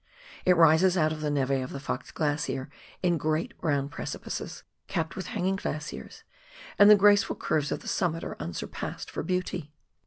It rises out of the neve of the Fox Glacier in great brown precipices, capped with hanging glaciers, and the grace ful curves of the summit are unsurpassed for beauty.